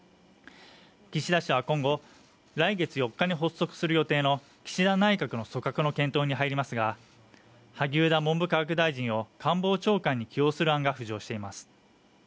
岸田氏は今後、来月４日に発足する予定の岸田内閣の組閣の検討に入りますが萩生田文部科学大臣を官房長官に起用する案が浮上しています。